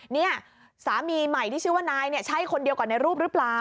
เนี่ยสามีใหม่ที่ชื่อว่านายเนี่ยใช่คนเดียวกับในรูปหรือเปล่า